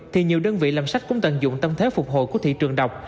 thì nhiều đơn vị làm sách cũng tận dụng tâm thế phục hồi của thị trường đọc